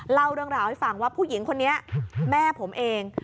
เล่าเรื่องราวให้ฟังว่าผู้หญิงคนนี้แม่ผมเอง